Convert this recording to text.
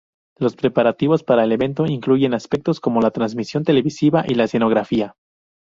Los preparativos para el evento incluyen aspectos como la transmisión televisiva y la escenografía.